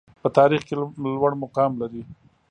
په تاریخ کې لوړ مقام لري.